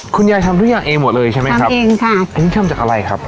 คุณยายทำทุกอย่างเองหมดเลยใช่ไหมครับเองค่ะอันนี้ทำจากอะไรครับ